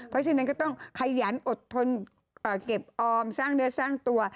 เพราะฉะนั้นก็ต้องขยันอดทนเก็บออมสร้างเนื้อสร้างตัว